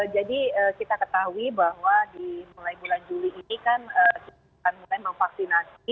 jadi kita ketahui bahwa di mulai bulan juli ini kan kita mulai memvaksinasi